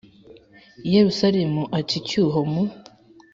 i Yerusalemu y aca icyuho mu